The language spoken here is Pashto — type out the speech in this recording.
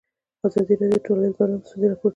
ازادي راډیو د ټولنیز بدلون ستونزې راپور کړي.